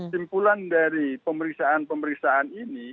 simpulan dari pemeriksaan pemeriksaan ini